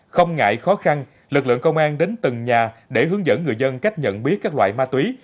không ngại khó khăn lực lượng công an đến từng nhà để hướng dẫn người dân cách nhận biết các loại ma túy